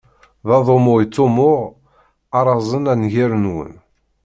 D aḍummu i ṭṭummuɣ arazen a nnger-nwen.